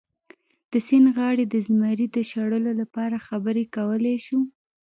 د سیند غاړې د زمري د شړلو لپاره خبرې کولی شو.